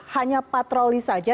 hanya patroli saja